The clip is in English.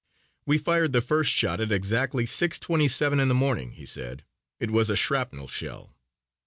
"We fired the first shot at exactly six twenty seven in the morning," he said. "It was a shrapnel shell."